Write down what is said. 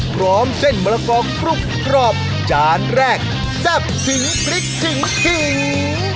พร้อมเส้นมะละกองกรุบกรอบจานแรกแซ่บสีพริกถึง